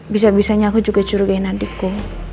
bisa bisanya aku juga curigain adikku